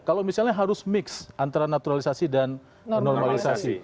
kalau misalnya harus mix antara naturalisasi dan normalisasi